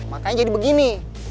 makanya jadi begini